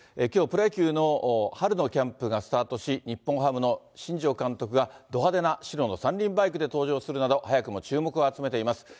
きょう、プロ野球の春のキャンプがスタートし、日本ハムの新庄監督が、ど派手な白の３輪バイクで登場するなど、早くも注目を集めています。